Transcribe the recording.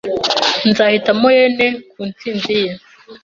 Nzahitamo yen ku ntsinzi ye .